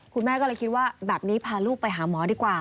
คุณแม่ก็เลยคิดว่าแบบนี้พาลูกไปหาหมอดีกว่า